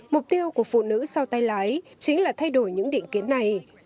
mục tiêu của phụ nữ sau tay lái chính là thay đổi những định kiến này